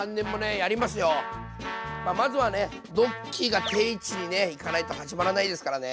まあまずはねドッキーが定位置に行かないと始まらないですからね。